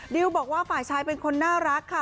ดิวบอกว่าฝ่ายชายเป็นคนน่ารักค่ะ